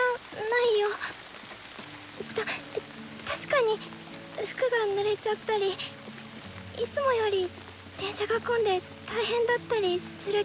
たっ確かに服がぬれちゃったりいつもより電車が混んで大変だったりするけど。